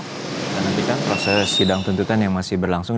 kita nantikan proses sidang tuntutan yang masih berlangsung